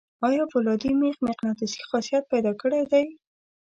آیا فولادي میخ مقناطیسي خاصیت پیدا کړی دی؟